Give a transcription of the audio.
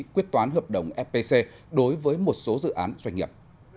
quyết toán hợp đồng fpc đối với một số dự án doanh nghiệp